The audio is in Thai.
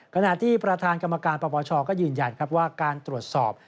ขณะที่ประธานกรรมการปปชก็ยืนยันครับว่าการตรวจสอบ